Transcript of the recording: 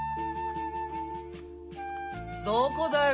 どこだよ？